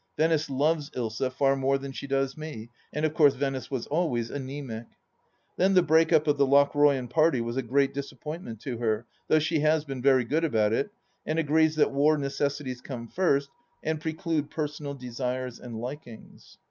Venice loves Ilsa far more than she does me. And of course Venice was always anaemic. ... Then the break up of the Lochroyan party was a great disappointment to her, though she has been very good about it, and agrees that war necessities come first and preclude personal desires and likings.